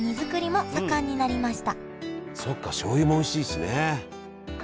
そっかしょうゆもおいしいしね。